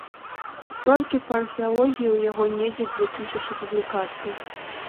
Толькі па археалогіі у яго недзе дзве тысячы публікацый.